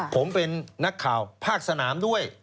ผมเป็นนักข่าวภาคสนามด้วย